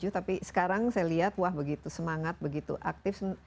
tapi sekarang saya lihat wah begitu semangat begitu aktif